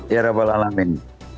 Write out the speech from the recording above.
ya rabbal alamin